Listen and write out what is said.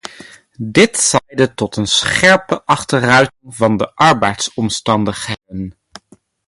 Dit zal leiden tot een scherpe achteruitgang van de arbeidsomstandigheden.